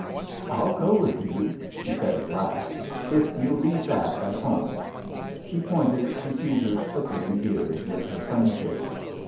"I'll go with you," she said at last, "if you'll leave that at home." She pointed to Caesar's flickering ears with her sunshade.